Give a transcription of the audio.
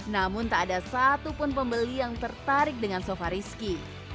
namun tak ada satupun pembeli yang tertarik dengan sofa rizky